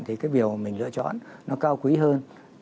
thì cái điều mình lựa chọn nó cao quý hơn